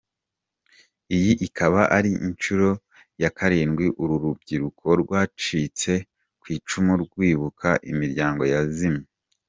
Iyi ikaba ari inshuro ya karindwi uru rubyiruko rwacitse ku icumu rwibuka imiryango yazimye.